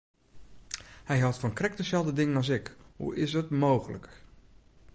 Hy hâldt fan krekt deselde dingen as ik, hoe is it mooglik!